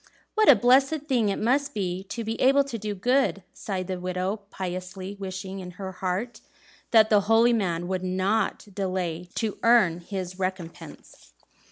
'" "What a blessed thing it must be to be able to do good!" sighed the widow, piously wishing in her heart that the holy man would not delay to earn his recompense.